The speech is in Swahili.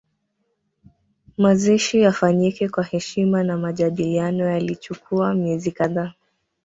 Mazishi yafanyike kwa heshima na majadiliano yalichukua miezi kadhaa